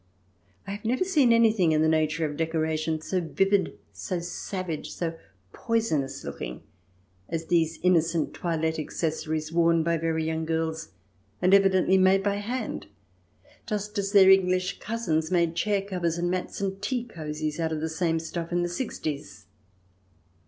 I have never seen anything in the nature of decoration so vivid, so savage, so poison ous looking as these innocent toilette accessories worn by very young girls, and evidently made by hand, just as their English cousins made chair covers and mats and tea cosies out of the same stuff in the 'sixties